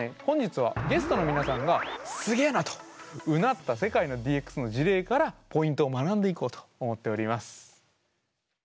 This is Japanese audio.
本日はゲストの皆さんが「すげえな」とうなった世界のＤＸの事例からポイントを学んでいこうと思っております。